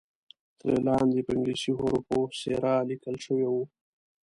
ترې لاندې په انګلیسي حروفو سیرا لیکل شوی وو.